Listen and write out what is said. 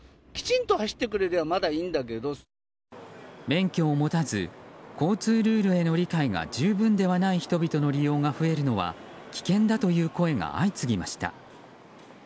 免許を持たず交通ルールへの理解が十分ではない人々の利用が増えるのは危険だという声が相次ぎました。